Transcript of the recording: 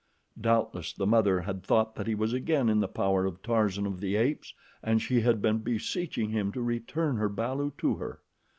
Doubtless the mother had thought that he was again in the power of Tarzan of the Apes, and she had been beseeching him to return her balu to her.